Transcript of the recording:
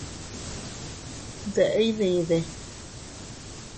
¿Deʼe iydide?